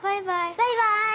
バイバイ。